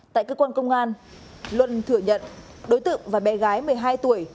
tại cơ quan công an luân thừa nhận đối tượng và bé gái một mươi hai tuổi